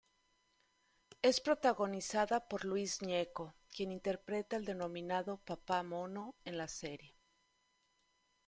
Es protagonizada por Luis Gnecco quien interpreta al denominado "Papá mono" en la serie.